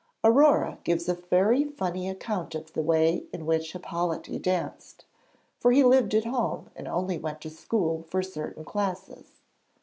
Aurore gives a very funny account of the way in which Hippolyte danced, for he lived at home and only went to school for certain classes.